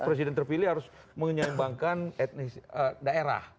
presiden terpilih harus menyeimbangkan etnis daerah